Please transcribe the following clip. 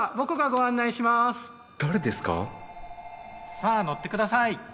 さあ乗って下さい！